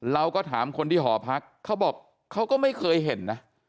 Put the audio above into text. เราก็ถามคนที่หอพักเขาบอกเขาก็ไม่เคยเห็นนะ